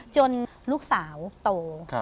จนลูกสาวโต